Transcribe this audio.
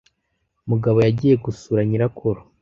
Mugabo yagiye gusura nyirakuru